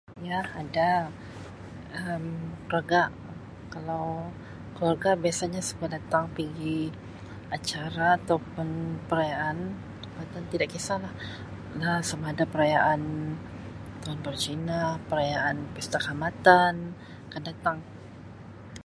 Iya, ada Um keluarga. Kalau keluarga biasanya semua datang pigi acara ataupun perayaan. [unintelligible] Tidak kisah lah [unintelligible] sama ada perayaan Tahun Baru Cina, perayaan Pista Kaamatan. Akan datang.